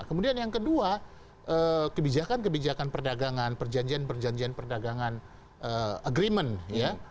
kemudian yang kedua kebijakan kebijakan perdagangan perjanjian perjanjian perdagangan agreement ya